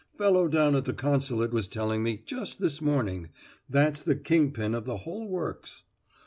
Fellow down at the consulate was telling me just this morning that's the king pin of the whole works.